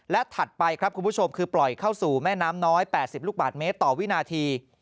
และถัดไปครับคุณผู้ชมคือปล่อยเข้าสู่แม่น้ำน้อย๘๐ลูกบาทเมตรต่อวินาที